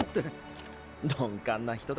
鈍感な人だ。